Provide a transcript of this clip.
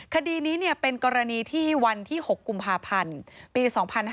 คดีนี้เป็นกรณีที่วันที่๖กุมภาพันธ์ปี๒๕๕๙